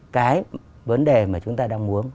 cái vấn đề mà chúng ta đang muốn